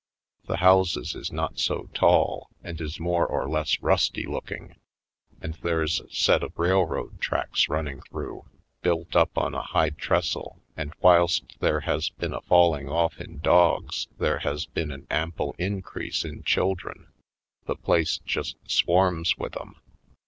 The houses is not so tall and is more or less rusty looking; and there's a set of railroad tracks running through, built up on a high trestle; and whilst there has been a falling off in dogs there has been an ample increase in chil dren ; the place just swarms with 'em.